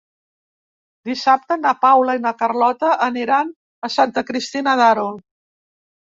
Dissabte na Paula i na Carlota aniran a Santa Cristina d'Aro.